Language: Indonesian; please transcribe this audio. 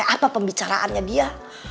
apa pembicaraannya dia